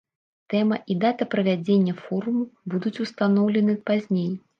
Тэма і дата правядзення форуму будуць устаноўлены пазней.